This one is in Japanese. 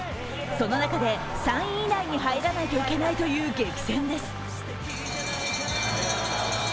その中で３位以内に入らないといけないという激戦です。